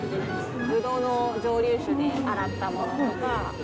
ブドウの蒸留酒で洗ったものとか。